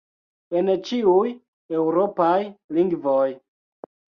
En ĉiuj eŭropaj lingvoj.